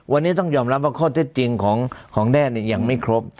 วันนี้ต้องยอมรับว่าข้อเท็จจริงของของแดดเนี่ยอย่างไม่ครบ